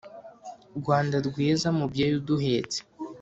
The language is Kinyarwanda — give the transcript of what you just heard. Rwanda rwiza mubyeyi uduhetse